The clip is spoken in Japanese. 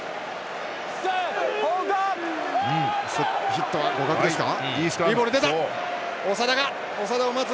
ヒットは互角ですか。